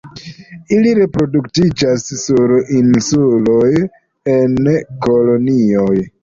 Ili reproduktiĝas sur insuloj en kolonioj.